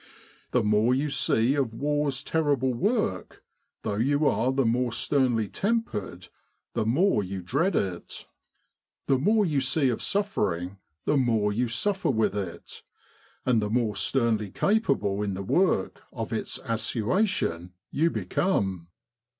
The more you see of War's terrible work, though you are the more 244 Military General Hospitals in Egypt sternly tempered, the more you dread it. The more you see of suffering, the more you suffer with it and the more sternly capable in the work of its assua sion you become.